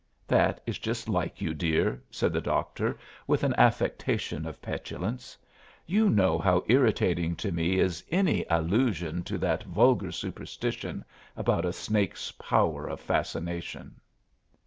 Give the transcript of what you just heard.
"That is just like you, dear," said the doctor, with an affectation of petulance. "You know how irritating to me is any allusion to that vulgar superstition about a snake's power of fascination."